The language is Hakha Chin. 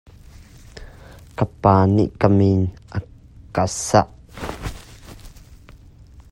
Ka pa nih ka min a ka sak.